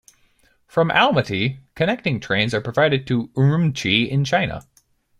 From Almaty connecting trains are provided to Urumchi in China.